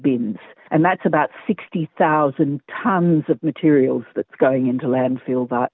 apa yang akan kita gunakan untuk menentukan pakaian yang tidak diinginkan